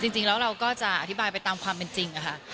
จริงแล้วเราก็จะอธิบายไปตามความเป็นจริงค่ะ